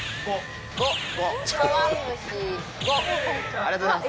ありがとうございます。